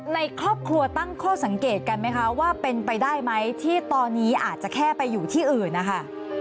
ในครอบครัวตั้งข้อสังเกตกันไหมคะว่าเป็นไปได้ไหมที่ตอนนี้อาจจะแค่ไปอยู่ที่อื่นนะคะ